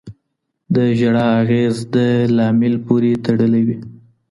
د ژړا اغېز د لامل پورې تړلی وي.